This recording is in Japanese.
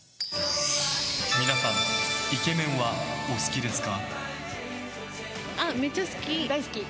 皆さんイケメンはお好きですか？